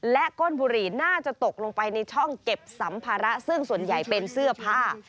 และก้นบุหรี่น่าจะตกลงไปในช่องเก็บสัมภาระซึ่งส่วนใหญ่เป็นเสื้อผ้า